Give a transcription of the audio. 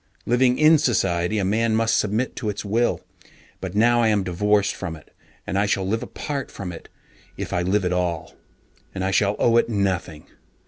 Living in society, a man must submit to its will, but now I am divorced from it, and I shall live apart from it if I live at all, and I shall owe it nothing.